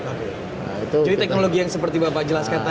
jadi teknologi yang seperti bapak jelaskan tadi ya